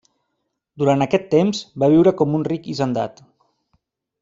Durant aquest temps va viure com un ric hisendat.